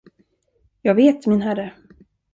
Jag vet, min herre.